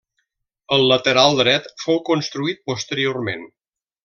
El lateral dret fou construït posteriorment.